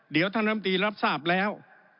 เดี๋ยวท่านลำตีรับทราบแล้ว